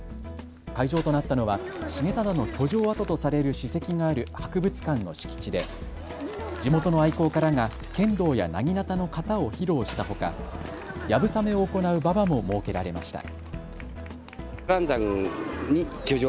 会場となったのは重忠の居城跡とされる史跡がある博物館の敷地で地元の愛好家らが剣道やなぎなたの形を披露したほかやぶさめを行う馬場も設けられました。